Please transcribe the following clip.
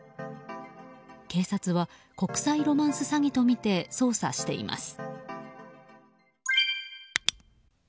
警察は、国際ロマンス詐欺とみて捜査しています。